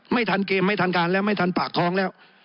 ไม่ทันเกมไม่ทันการแล้วไม่ทันปากท้องแล้ว